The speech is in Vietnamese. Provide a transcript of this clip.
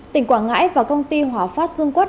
tỉnh quảng ngãi và công ty hòa pháp dung quốc